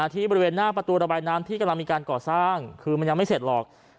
ที่บริเวณหน้าประตูระบายน้ำที่กำลังมีการก่อสร้างคือมันยังไม่เสร็จหรอก